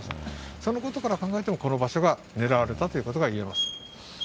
そのことから考えても、この場所が狙われたということが言えます。